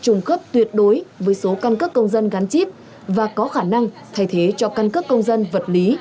công dân cần cung cấp tuyệt đối với số căn cấp công dân gắn chip và có khả năng thay thế cho căn cấp công dân vật lý